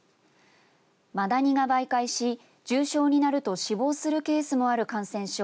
マダニが媒介し重症になると死亡するケースもある感染症